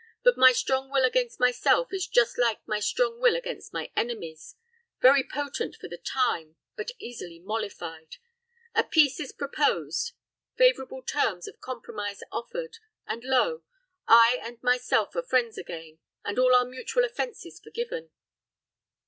"But my strong will against myself is just like my strong will against my enemies very potent for the time, but easily mollified; a peace is proposed favorable terms of compromise offered, and lo! I and myself are friends again, and all our mutual offenses forgiven."